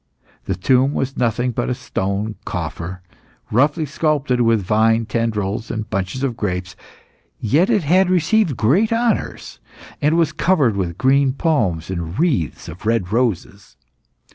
The tomb was nothing but a stone coffer, roughly sculptured with vine tendrils and bunches of grapes; yet it had received great honours, and was covered with green palms and wreaths of red roses.